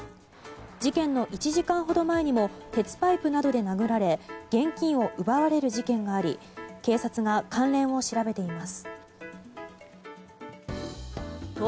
事件の１時間ほど前にも鉄パイプなどで殴られ現金を奪われる事件があり警察が関連を調べています。